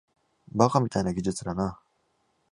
バカみたいな技術だな